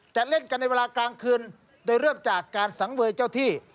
เล่นกันในเวลากลางคืนโดยเริ่มจากการสังเวยเจ้าที่